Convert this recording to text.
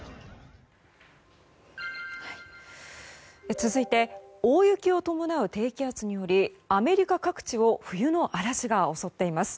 続いて大雪を伴う低気圧によりアメリカ各地を冬の嵐が襲っています。